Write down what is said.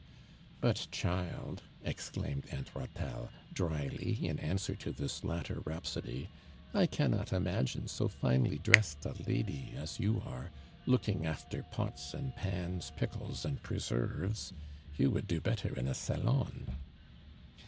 "But, child," exclaimed Aunt Ratelle. drily, in answer to this latter rhapsody, « 1 cannot imagine so finely dressed a lady as j'ou are, looking after pots and pans, pick les, and preserves. You would do better in a sfl/o«.'"